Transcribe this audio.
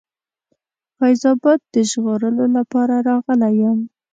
فیض آباد د ژغورلو لپاره راغلی یم.